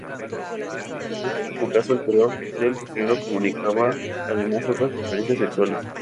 En este último caso, el color del pañuelo comunicaba además otras preferencias sexuales.